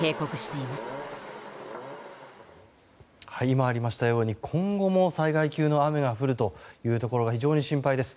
今ありましたように今後も災害級の雨が降るというところが非常に心配です。